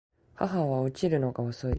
母は起きるのが遅い